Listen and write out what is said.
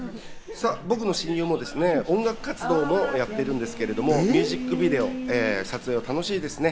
僕の親友もですね、音楽活動もやってるんですけど、ミュージックビデオの撮影楽しいですね。